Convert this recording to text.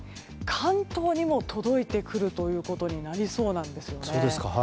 関東にも届いてくるということになりそうなんです。